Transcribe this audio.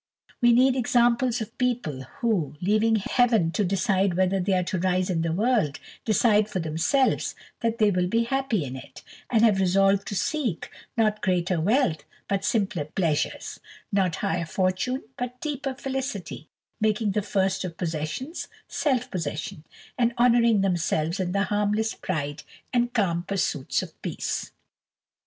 We need examples of people who, leaving Heaven to decide whether they are to rise in the world, decide for themselves that they will be happy in it, and have resolved to seek not greater wealth, but simpler pleasures; not higher fortune, but deeper felicity; making the first of possessions, self possession; and honouring themselves in the harmless pride and calm pursuits of peace."